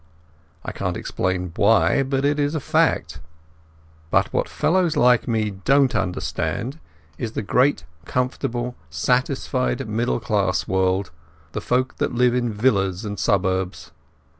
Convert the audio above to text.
I can't explain why, but it is a fact. But what fellows like me don't understand is the great comfortable, satisfied middle class world, the folk that live in villas and suburbs.